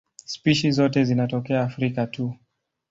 Spishi zote zinatokea Afrika tu.